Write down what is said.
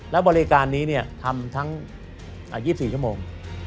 และบริการนี้ทำทั้ง๒๔ชั่วโมง